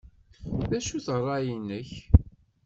D acu-t ṛṛay-nnek?